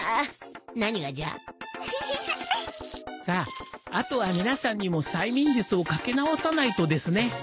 さああとはみなさんにも催眠術をかけ直さないとですね。